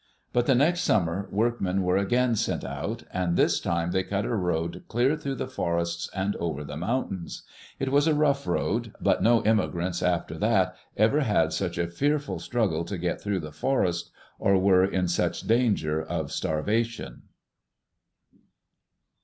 But the next summer workmen were again sent out, and this time they cut a road clear through the forests and over the mountains. It was a rough road, but no immigrants after that ever had such a fearful struggle to get through the forest, or were in such danger of starvation.